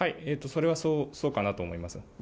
それはそうかなと思います。